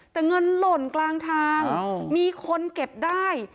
แต่เงินหล่นกลางทางมีคนเก็บได้